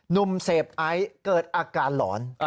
ุ่มเสพไอซ์เกิดอาการหลอน